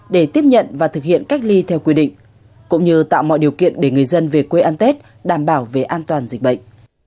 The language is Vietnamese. để tiếp nhận và thực hiện cách ly theo quy định cũng như tạo mọi điều kiện để người dân về quê ăn tết đảm bảo về an toàn dịch bệnh